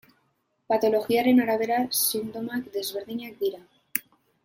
Patologiaren arabera sintomak desberdinak dira.